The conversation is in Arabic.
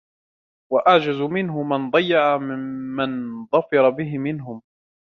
وَأَعْجَزَ مِنْهُ مَنْ ضَيَّعَ مَنْ ظَفِرَ بِهِ مِنْهُمْ